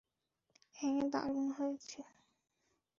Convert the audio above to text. হ্যাঁ, দারুণ হয়েছে!